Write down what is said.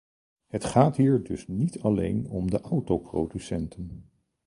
Het gaat hier dus niet alleen om de autoproducenten.